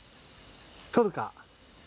取るか。